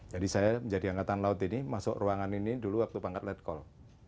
jadi saya menjadi angkatan laut ini masuk ruangan ini dulu waktu pangkat lat call